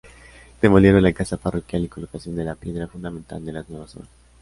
Demolieron la casa parroquial y colocación de la piedra fundamental de las nuevas obras.